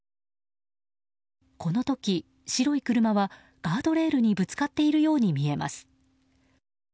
この時、白い車はガードレールにぶつかっているように見えます。